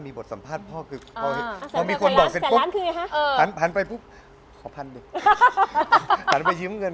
มีบทสัมภาษณ์พ่อ